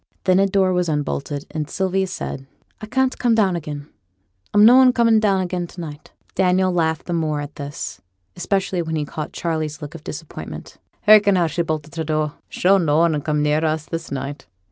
Then a door was unbolted, and Sylvia said, 'I can't come down again. I'm noan comin' down again to night.' Daniel laughed the more at this, especially when he caught Charley's look of disappointment. 'Hearken how she's bolted her door. She'll noane come near us this night.